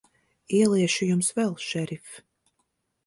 Ieliešu Jums vēl, šerif.